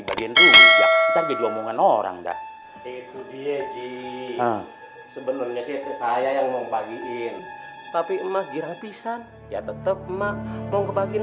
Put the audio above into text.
itu dia sih sebenarnya saya yang mau pagiin tapi emak dirapisan ya tetep emak mau kebagian